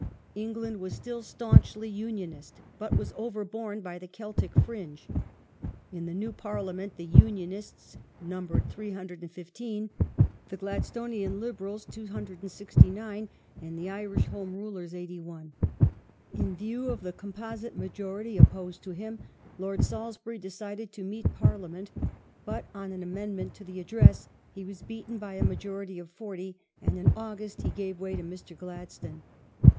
England was still staunchly Unionist, but was overborne by the " Celtic fringe ". In the new Parliament the Unionists numbered 315,^ the Glad stonian Liberals 269, and the Irish Home Rulers 81. ^ In view of the composite majority opposed to him Lord Salisbury decided to meet Parliament, but, on an amendment to the Address, he was beaten by a majority of forty, and in August he gave way to Mr. Gladstone.